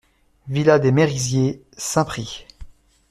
Villa des Merisiers, Saint-Prix